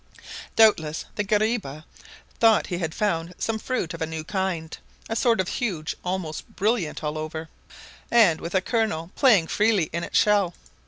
Doubtless the guariba thought he had found some fruit of a new kind, a sort of huge almost brilliant all over, and with a kernel playing freely in its shell.